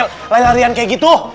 lari larian kayak gitu